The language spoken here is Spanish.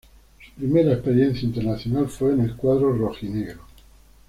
Su primera experiencia internacional fue en el cuadro rojinegro.